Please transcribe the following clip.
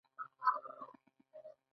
د ماشوم په ودې سره زړې جامې له منځه ځي.